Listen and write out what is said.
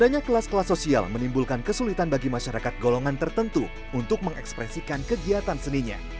adanya kelas kelas sosial menimbulkan kesulitan bagi masyarakat golongan tertentu untuk mengekspresikan kegiatan seninya